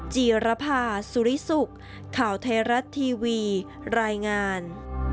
จีรภาสุริสุขข่าวไทยรัฐทีวีรายงาน